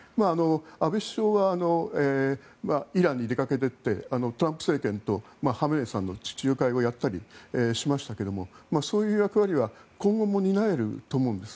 安倍首相はイランに出かけてトランプ政権とハメネイさんの仲介をやったりしましたけどそういう役割は今後も担えると思うんです。